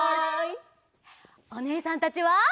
おねえさんたちは。